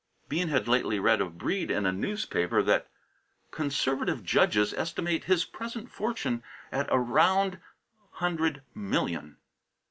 Bean had lately read of Breede in a newspaper that "Conservative judges estimate his present fortune at a round hundred million."